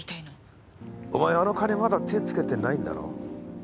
お前あの金まだ手ぇつけてないんだろ？